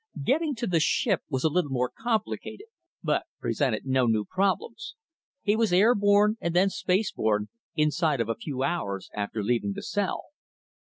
Getting to the ship was a little more complicated, but presented no new problems; he was airborne, and then space borne, inside of a few hours after leaving the cell.